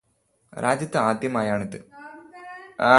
രാജ്യത്താദ്യമായാണ് ഇത്.